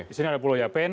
di sini ada pulau yapen